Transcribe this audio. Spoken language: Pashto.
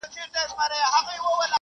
زه غریب د جانان میني له پخوا وژلی ومه.